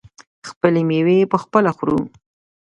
خپلې میوې پخپله خورو.